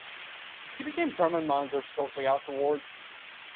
He became permanent manager shortly afterwards.